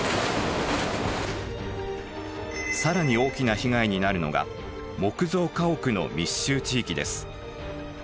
更に大きな被害になるのが木造家屋の密集地域です。